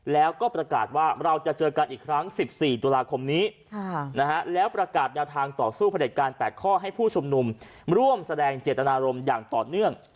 แล้วก็ประกาศว่าเราจะเจอกันอีกครั้ง๑๔ตุลาคมนี้แล้วประกาศแนวทางต่อสู้ผลิตการ๘ข้อให้ผู้ชุมนุมร่วมแสดงเจตนารมณ์อย่างต่อเนื่อง